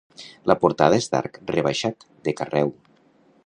La portada és d'arc rebaixat, de carreu.